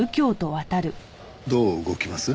どう動きます？